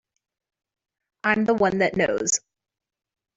I'm the one that knows.